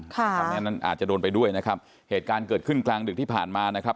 เพราะฉะนั้นอาจจะโดนไปด้วยนะครับเหตุการณ์เกิดขึ้นกลางดึกที่ผ่านมานะครับ